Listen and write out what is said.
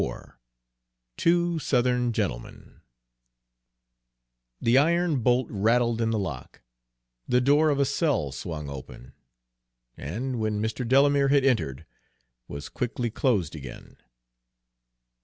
XXIV TWO SOUTHERN GENTLEMEN The iron bolt rattled in the lock, the door of a cell swung open, and when Mr. Delamere had entered was quickly closed again.